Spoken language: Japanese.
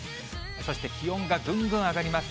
そして気温がぐんぐん上がります。